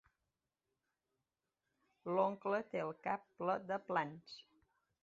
L'oncle té el cap ple de plans.